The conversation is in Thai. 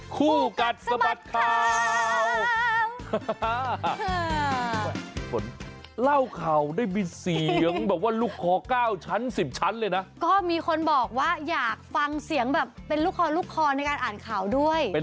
คู่กัดสมัสข่าว